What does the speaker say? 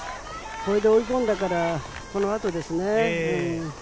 これで追い込んだから、このあとですね。